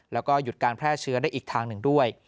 แล้วก็หยุดการแพร่เชื้อได้อีกทางหนึ่งด้วย